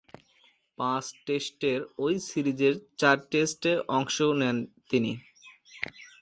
পাঁচ টেস্টের ঐ সিরিজের চার টেস্টে অংশ নেন তিনি।